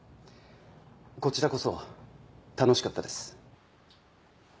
こちらこそ楽しかったです。